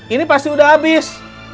ini pasti udah abis